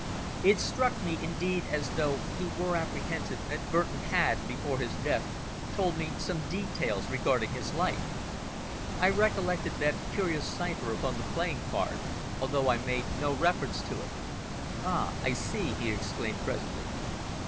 It struck me indeed as though he were apprehensive that Burton had before his death told me some details regarding his life. I recollected that curious cipher upon the playing card, although I made no reference to it. "Ah! I see!" he exclaimed presently.